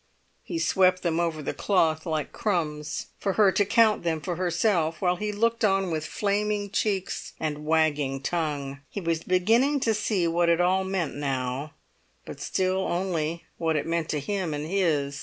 He swept them over the cloth like crumbs, for her to count them for herself, while he looked on with flaming cheeks and wagging tongue. He was beginning to see what it all meant now, but still only what it meant to him and his.